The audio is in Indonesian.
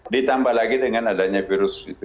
ditambah lagi dengan adanya virus itu